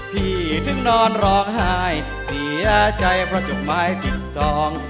ถึงนอนร้องไห้เสียใจเพราะจดหมายผิดสอง